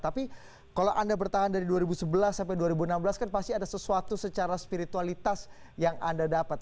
tapi kalau anda bertahan dari dua ribu sebelas sampai dua ribu enam belas kan pasti ada sesuatu secara spiritualitas yang anda dapat